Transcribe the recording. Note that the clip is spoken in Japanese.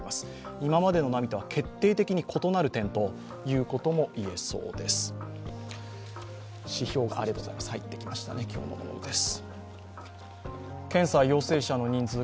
今までの波とは決定的に異なる点ということもいえそうです。